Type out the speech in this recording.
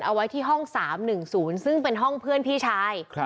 เอาไว้ที่ห้องสามหนึ่งศูนย์ซึ่งเป็นห้องเพื่อนพี่ชาย